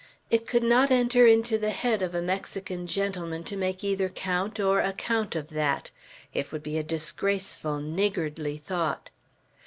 It could not enter into the head of a Mexican gentleman to make either count or account of that. It would be a disgraceful niggardly thought.